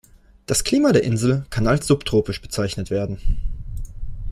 Das Klima der Insel kann als subtropisch bezeichnet werden.